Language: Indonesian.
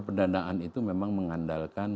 pendanaan itu memang mengandalkan